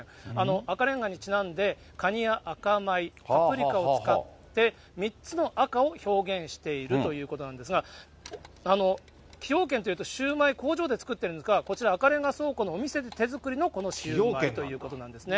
赤レンガにちなんで、カニや赤米、パプリカを使って、３つの赤を表現しているということなんですが、崎陽軒というと、シウマイ、工場で作ってるんですが、こちら赤レンガ倉庫のお店で手作りのこのシウマイということなんですね。